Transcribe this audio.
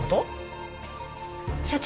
所長